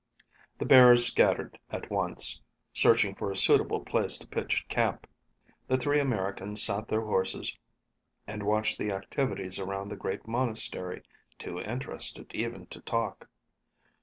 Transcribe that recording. The bearers scattered at once, searching for a suitable place to pitch camp. The three Americans sat their horses and watched the activities around the great monastery, too interested even to talk.